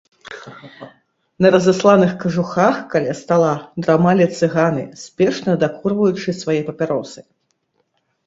На разасланых кажухах каля стала драмалі цыганы, спешна дакурваючы свае папяросы.